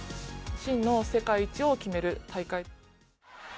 真の世界一を決める大会。